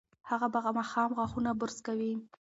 هغه به ماښام غاښونه برس کوي.